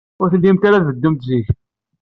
Ur tellimt ara tbeddumt zik.